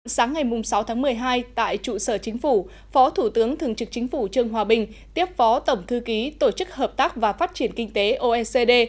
sáng ngày sáu tháng một mươi hai tại trụ sở chính phủ phó thủ tướng thường trực chính phủ trương hòa bình tiếp phó tổng thư ký tổ chức hợp tác và phát triển kinh tế oecd